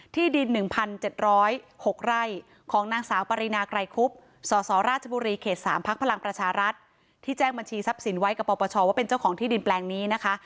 ที่ดิน๑๗๐๖ไร่ของนางสาวปรินาไกรคุบสสราชบุรีเขต๓พักพลังประชารัฐที่แจ้งบัญชีทรัพย์สินไว้กับปปชว่าเป็นเจ้าของที่ดินแปลงนี้นะคะ